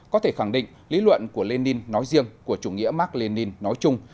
có thể khẳng định lý luận của lenin nói riêng của chủ nghĩa mark lenin nói chung